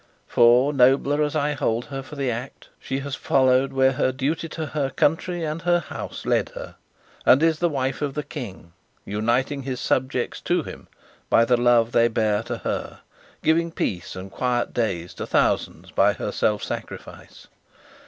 For nobler, as I hold her, for the act she has followed where her duty to her country and her House led her, and is the wife of the King, uniting his subjects to him by the love they bear to her, giving peace and quiet days to thousands by her self sacrifice.